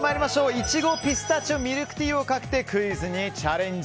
いちごピスタチオミルクティーをかけてクイズにチャレンジ。